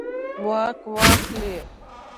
واک واخلي.